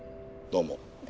どうも。